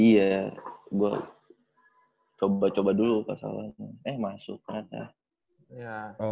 iya gue coba coba dulu pas awalnya eh masuk kan